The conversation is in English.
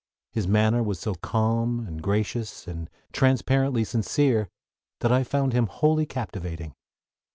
His manner was so calm, and gracious, and transparently sincere, that I found him wholly captivating.